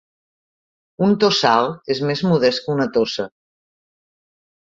Un tossal és més modest que una tossa.